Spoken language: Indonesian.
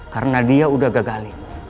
karena dia udah gagalin